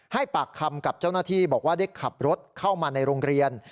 ให้ปากคำกับเจ้าหน้าที่บอกว่าได้ขับรถเข้ามาในโรงเรียน